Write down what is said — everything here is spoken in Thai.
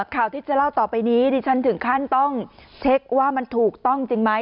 ข่าวที่จะเล่าต่อไปนี้ดิฉันถึงขั้นต้องเช็คว่ามันถูกต้องจริงไหม